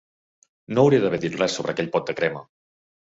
No hauria d'haver dit res sobre aquell pot de crema.